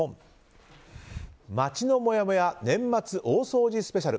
街のもやもや年末大掃除スペシャル！